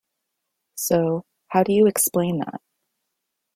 So, how do you explain that?